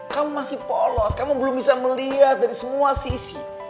kamu masih polos kamu belum bisa melihat dari semua sisi